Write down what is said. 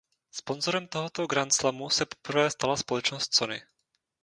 Sponzorem tohoto grandslamu se poprvé stala společnost Sony.